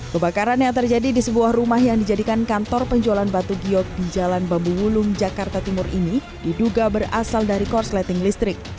kebakaran yang terjadi di sebuah rumah yang dijadikan kantor penjualan batu giyok di jalan bambu wulung jakarta timur ini diduga berasal dari korsleting listrik